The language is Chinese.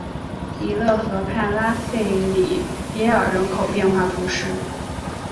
里勒河畔拉费里耶尔人口变化图示